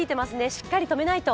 しっかりとめないと。